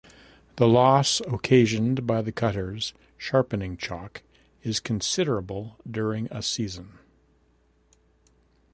The loss occasioned by the cutters sharpening chalk is considerable during a season.